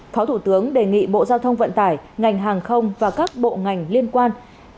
phó thủ tướng đề nghị bộ giao thông vận tải ngành hàng không và các bộ ngành liên quan